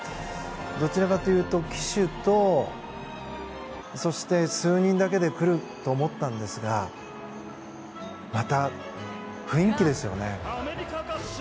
どちらかというと旗手とそして数人だけで来ると思ったんですがまた、雰囲気ですよね。